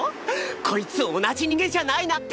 こいつ同じ人間じゃないな！って。